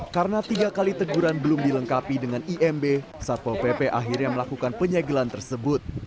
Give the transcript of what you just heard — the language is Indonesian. karena tiga kali teguran belum dilengkapi dengan imb satpol pp akhirnya melakukan penyegelan tersebut